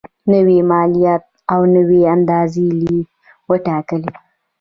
نوي مالیات او نوي اندازې یې وټاکلې.